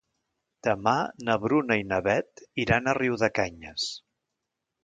Demà na Bruna i na Beth iran a Riudecanyes.